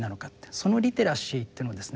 そのリテラシーっていうのをですね